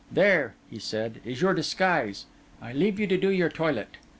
'There,' said he, 'is your disguise. I leave you to your toilet.